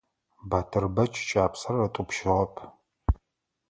Батырбэч кӀапсэр ытӀупщыгъэп.